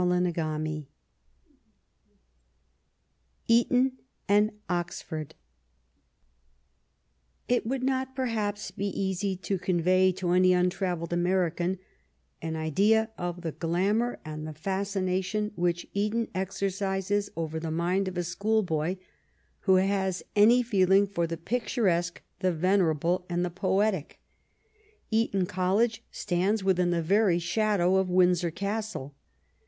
CHAPTER II ETON AND OXFORD It would not, perhaps, be easy to convey to any untravelled American an idea of the glamour and the fascination which Eton exercises over the mind of a schoolboy who has any feeling for the pictu resque, the venerable, and the poetic. Eton College stands within the very shadow of Windsor Castle.